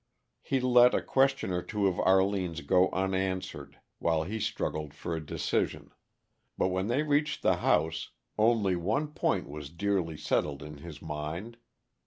He let a question or two of Arline's go unanswered while he struggled for a decision, but when they reached the house, only one point was dearly settled in his mind.